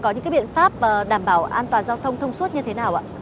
có những cái biện pháp đảm bảo an toàn giao thông thông suốt như thế nào ạ